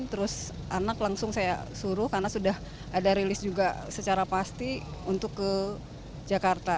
terus anak langsung saya suruh karena sudah ada rilis juga secara pasti untuk ke jakarta